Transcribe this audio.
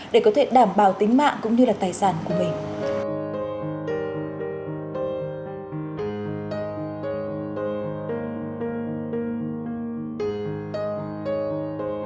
để có thể đảm bảo tính mạng cũng như là tài sản của mình